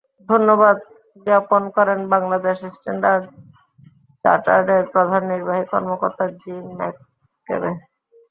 ধন্যবাদ জ্ঞাপন করেন বাংলাদেশে স্ট্যান্ডার্ড চার্টার্ডের প্রধান নির্বাহী কর্মকর্তা জিম ম্যাককেবে।